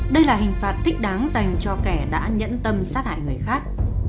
đây là hình phạt thích đáng dành cho kẻ đã nhẫn tâm sát hại người khác